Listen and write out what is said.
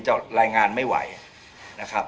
จะรายงานไม่ไหวนะครับ